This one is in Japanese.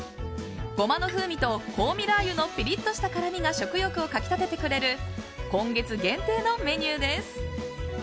ゴマの風味と香味ラー油のピリッとした辛みが食欲をかき立ててくれる今月限定のメニューです。